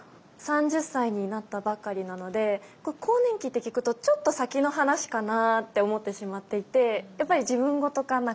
３０歳になったばかりなので更年期って聞くとちょっと先の話かなって思ってしまっていてやっぱり自分事化